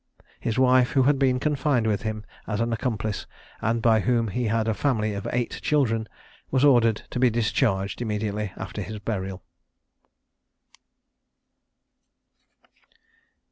His wife, who had been confined with him as an accomplice, and by whom he had a family of eight children, was ordered to be discharged immediately after his burial.